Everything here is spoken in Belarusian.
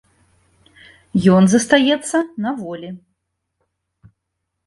Ён застаецца на волі.